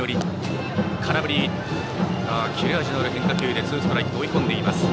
切れ味のある変化球でツーストライクと追い込んでます。